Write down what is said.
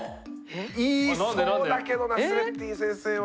言いそうだけどナスレッディン先生は。